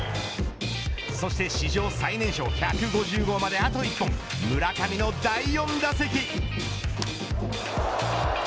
そして、史上最年少１５０号まであと１本村上の第４打席。